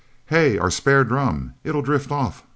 "Hey our spare drum it'll drift off!"